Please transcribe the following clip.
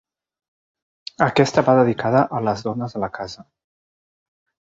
Aquesta va dedicada a les dones de la casa.